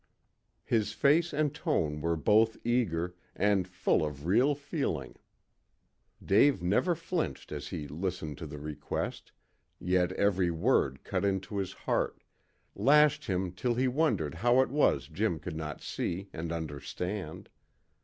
His face and tone were both eager, and full of real feeling. Dave never flinched as he listened to the request, yet every word cut into his heart, lashed him till he wondered how it was Jim could not see and understand.